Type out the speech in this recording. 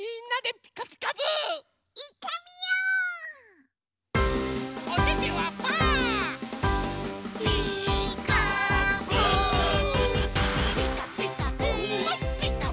「ピカピカブ！ピカピカブ！」